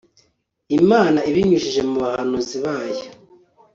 imana ibinyujije mu bahanuzi bayo